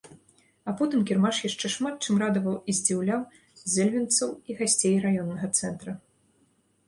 А потым кірмаш яшчэ шмат чым радаваў і здзіўляў зэльвенцаў і гасцей раённага цэнтра.